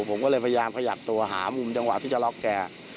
ผมก็เลยพยายามขยับตัวหามุมจังหวะที่จะล็อกแก